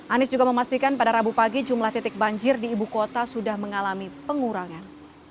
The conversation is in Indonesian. anies juga memastikan pada rabu pagi jumlah titik banjir di ibu kota sudah mengalami pengurangan